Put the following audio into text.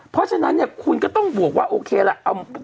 เพราะฉะนั้นคุณก็ต้องบวกว่าโอเคแล้ว